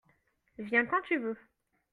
viens quand tu veux.